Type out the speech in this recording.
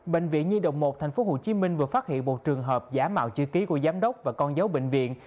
bệnh viện nhi đồng một tp hcm vừa phát hiện một trường hợp giả mạo chữ ký của giám đốc và con dấu bệnh viện